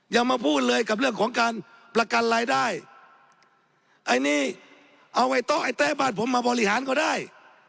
อย่ามาพูดเลยกับเรื่องของการประกันรายได้ไอ้นี่เอาไอ้โต๊ะไอ้แต๊บ้านผมมาบริหารก็ได้